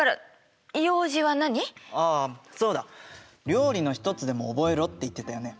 料理の一つでも覚えろって言ってたよね？